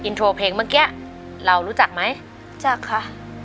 โทรเพลงเมื่อกี้เรารู้จักไหมจากค่ะ